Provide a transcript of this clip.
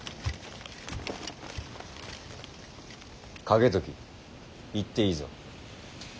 景時行っていいぞ。